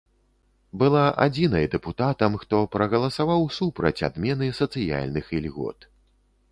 Была адзінай дэпутатам, хто прагаласаваў супраць адмены сацыяльных ільгот.